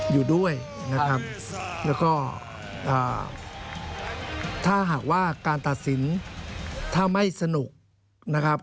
อยู่ด้วยนะครับแล้วก็ถ้าหากว่าการตัดสินถ้าไม่สนุกนะครับ